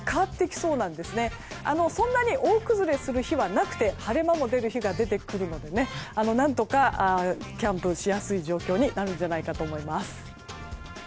そんなに大崩れする日はなくて晴れ間も出る日が出てくるので何とかキャンプしやすい状況になると思います。